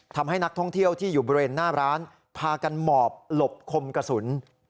ทำให้นักท่องเที่ยวที่อยู่บริเวณหน้าร้านพากันหมอบหลบคมกระสุน